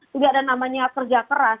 tidak ada namanya kerja keras